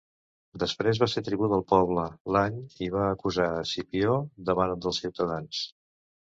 Després va ser tribú del poble l'any i va acusar Escipió davant dels ciutadans.